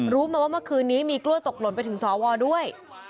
รู้มาว่าเมื่อคืนนี้มีกล้วยตกหล่นไปถึงสวด้วย